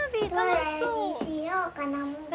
どれにしようかな。